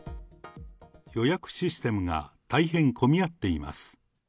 予約システムが大変混み合っています。